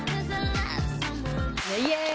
イエーイ！